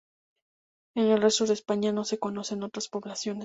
En el resto de España no se conocen otras poblaciones.